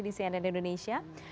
di cnn indonesia